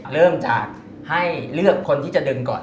เริ่มจากให้เลือกคนที่จะดึงก่อน